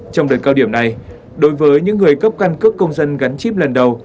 trong đợt cao điểm này đối với những người cấp căn cước công dân gắn chip lần đầu